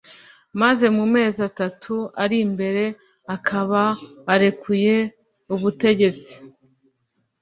maze mu mezi atatu ari imbere akaba arekuye ubutegetsi